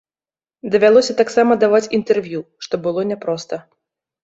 Давялося таксама даваць інтэрв'ю, што было няпроста.